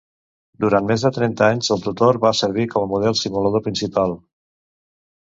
Durant més de trenta anys, el Tutor va servir com a model simulador principal.